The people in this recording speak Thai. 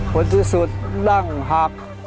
ควรที่สุดด้านหัก